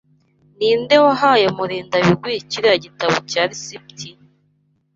Ninde wahaye Murindabigwi kiriya gitabo cya resept?